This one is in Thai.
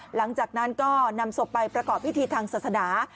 หลังจากนั้นก็นำศพไปประกอบพิธีทางศาสนา